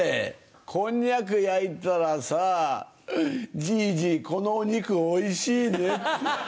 こんにゃく焼いたらさ、じいじ、このお肉、おいしいねって。